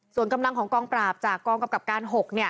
ส่วนกำลังของกองปราบจากกองกำกับการ๖